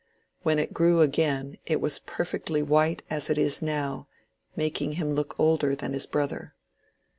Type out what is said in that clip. When it grew again it was perfectly white as it is now, mak ing him look older than his brother.